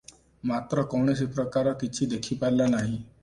ମାତ୍ର କୌଣସି ପ୍ରକାର କିଛି ଦେଖିପାରିଲା ନାହିଁ ।